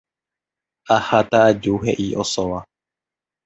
Aháta aju, he'i osóva.